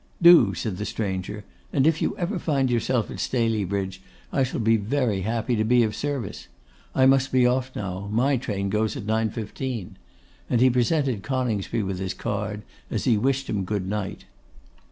'Do,' said the stranger; 'and if you ever find yourself at Staleybridge, I shall be very happy to be of service. I must be off now. My train goes at 9.15.' And he presented Coningsby with his card as he wished him good night.